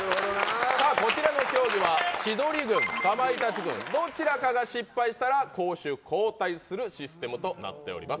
こちらの競技は千鳥軍、かまいたち軍どちらかが失敗したら攻守交代するシステムとなっております。